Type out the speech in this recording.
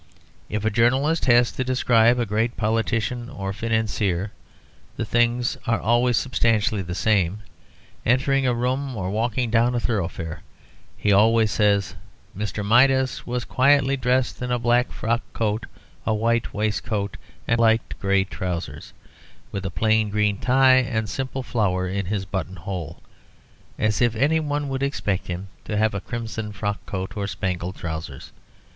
If a journalist has to describe a great politician or financier (the things are substantially the same) entering a room or walking down a thoroughfare, he always says, "Mr. Midas was quietly dressed in a black frock coat, a white waistcoat, and light grey trousers, with a plain green tie and simple flower in his button hole." As if any one would expect him to have a crimson frock coat or spangled trousers.